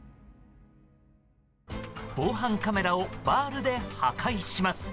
防犯カメラをバールで破壊します。